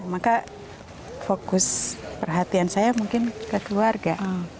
maka fokus perhatian saya mungkin ke keluarga